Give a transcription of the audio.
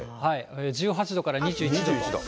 １８度から２１度。